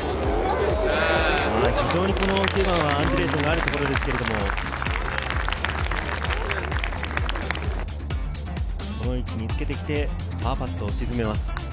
非常にこの９番はアンジュレーションがあるところですが、この位置につけてきて、パーパットを沈めます。